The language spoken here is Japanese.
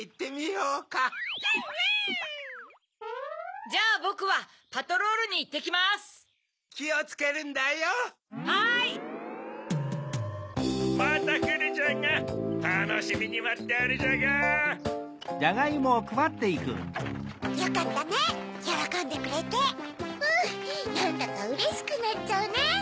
うんなんだかうれしくなっちゃうね。